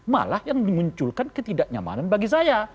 malah yang memunculkan ketidaknyamanan bagi saya